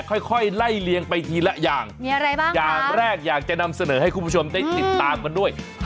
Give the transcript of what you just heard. ค่อยค่อยไล่เลียงไปทีละอย่างมีอะไรบ้างอย่างแรกอยากจะนำเสนอให้คุณผู้ชมได้ติดตามกันด้วย